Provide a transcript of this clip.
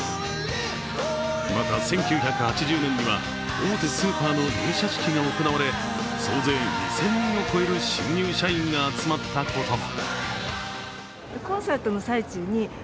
また、１９８０年には大手スーパーの入社式が行われ総勢２０００人を超える新入社員が集まったことも。